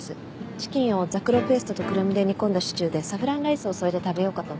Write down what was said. チキンをざくろペーストとくるみで煮込んだシチューでサフランライスを添えて食べようかと。